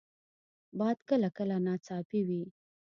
باد کله کله ناڅاپي وي